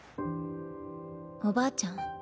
おばあちゃん